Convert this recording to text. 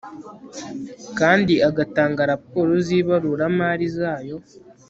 kandi agatanga raporo z ibaruramari zayo